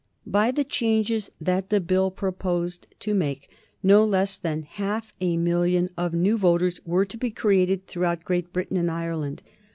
By the changes that the Bill proposed to make no less than half a million of new voters were to be created throughout Great Britain and Ireland.